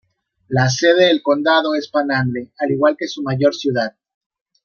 La sede del condado es Panhandle, al igual que su mayor ciudad.